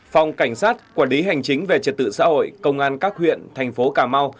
phòng cảnh sát quản lý hành chính về trật tự xã hội công an các huyện thành phố cà mau